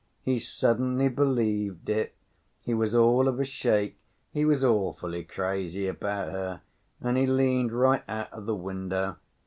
He suddenly believed it; he was all of a shake—he was awfully crazy about her—and he leaned right out of the window.